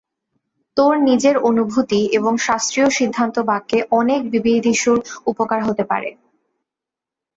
তোর নিজের অনুভূতি এবং শাস্ত্রীয় সিদ্ধান্তবাক্যে অনেক বিবিদিষুর উপকার হতে পারে।